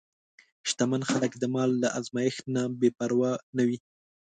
شتمن خلک د مال له ازمېښت نه بېپروا نه وي.